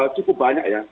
cukup banyak ya